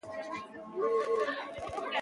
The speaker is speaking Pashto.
زۀ یوه پښتانه یم، ماته باید ټول حقوق راکړی!